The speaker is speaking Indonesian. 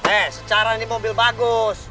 eh secara ini mobil bagus